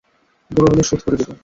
বড় হলে, শোধ করে দিব।